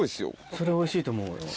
それおいしいと思うよ。